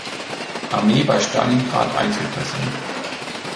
Armee bei Stalingrad einzukesseln.